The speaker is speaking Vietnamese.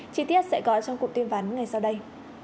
chi tiết sẽ có trong cuộc tuyên bán ngày sau đây